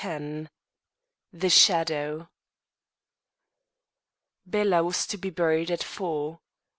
X THE SHADOW Bela was to be buried at four.